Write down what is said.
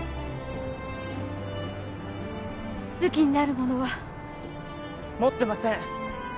武器になるものは？持ってません。